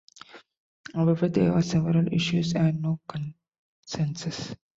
However, there are several issues and no consensus.